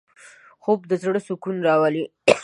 خوب د زړه سکون راولي